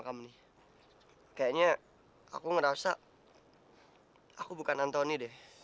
tapi kenapa antoni